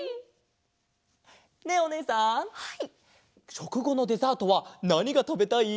しょくごのデザートはなにがたべたい？